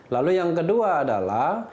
lalu yang kedua adalah